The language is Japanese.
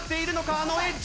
あのエッジ。